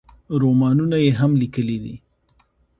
رومانونه یې هم لیکلي دي.